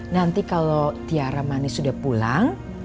nanti kalau tiara manis sudah pulang